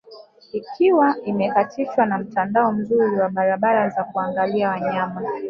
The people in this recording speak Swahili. Ikiwa imekatishwa na mtandao mzuri wa barabara za kuangalia wanyama